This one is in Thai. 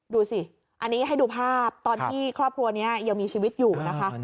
ดูสิอันนี้ให้ดูภาพตอนที่ครอบครัวนี้ยังมีชีวิตอยู่นะคะ